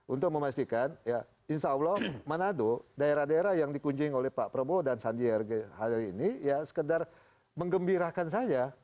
untuk memastikan ya insya allah manado daerah daerah yang dikunjung oleh pak prabowo dan sandi hari ini ya sekedar mengembirakan saja